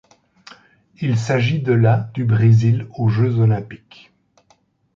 Il s'agit de la du Brésil aux Jeux olympiques.